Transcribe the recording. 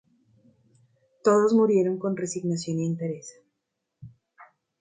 Todos murieron con resignación y entereza.